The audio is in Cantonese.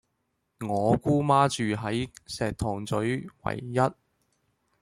我姑媽住喺石塘嘴維壹